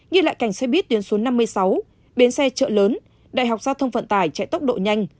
ghi lại cảnh xe buýt tuyến số năm mươi sáu bến xe chợ lớn đại học giao thông vận tải chạy tốc độ nhanh